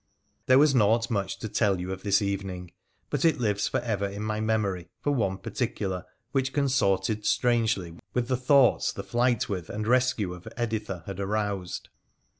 There was naught much to tell you of this evening, but it lives for ever in my memory for one particular which consorted strangely with the thoughts the flight with and rescue of Editha had aroused.